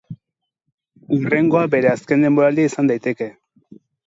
Hurrengoa bere azken denboraldia izan daiteke.